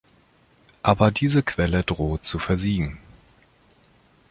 Aber diese Quelle droht zu versiegen.